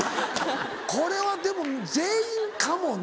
これはでも全員かもな。